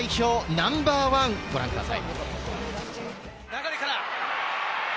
ナンバーワン、ご覧ください。